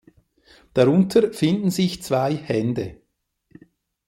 Darunter finden sich zwei Hände.